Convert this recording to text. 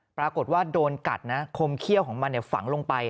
ปรากฏว่าโดนกัดนะคมเขี้ยวของมันฝังลงไป